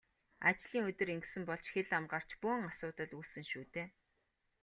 Ажлын өдөр ингэсэн бол ч хэл ам гарч бөөн асуудал үүснэ шүү дээ.